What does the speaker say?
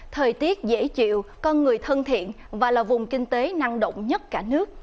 thời tiết dễ chịu con người thân thiện và là vùng kinh tế năng động nhất cả nước